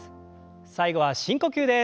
最後は深呼吸です。